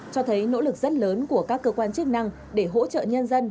cho thấy nỗ lực rất lớn của các cơ quan chức năng để hỗ trợ nhân dân